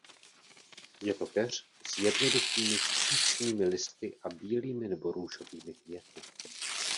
Je to keř s jednoduchými vstřícnými listy a bílými nebo růžovými květy.